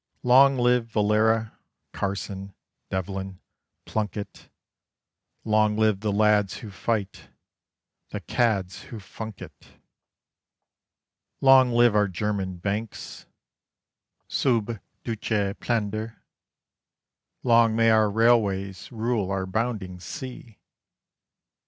Long live Valera, Carson, Devlin, Plunkett! Long live the lads who fight, the cads who funk it! Long live our German banks, sub duce Plender! Long may our railways rule our bounding sea!